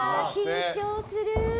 緊張する。